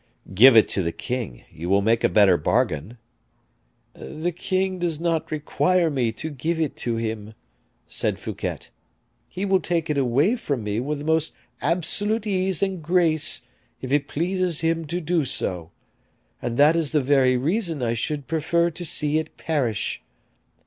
"Give it to the king; you will make a better bargain." "The king does not require me to give it to him," said Fouquet; "he will take it away from me with the most absolute ease and grace, if it pleases him to do so; and that is the very reason I should prefer to see it perish.